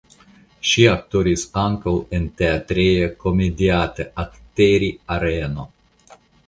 Ŝi aktoris ankaŭ en teatrejo "Komediateatteri Areno".